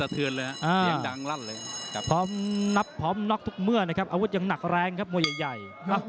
แต่พร้อมนับพร้อมน็อกทุกเมื่อนะครับอาวุธยังหนักแรงครับมวยใหญ่